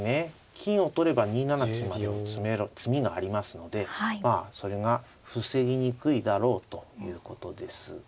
金を取れば２七金までの詰めろ詰みがありますのでまあそれが防ぎにくいだろうということです。